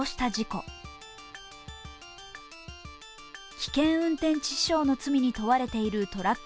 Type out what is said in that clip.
危険運転致死傷の罪に問われているトラック